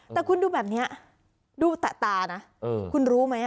แต่คุณดูแบบนี้ดูแตะตานะคุณรู้ไหม